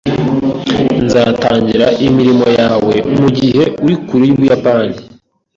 Nzatangira imirimo yawe mugihe uri kure yUbuyapani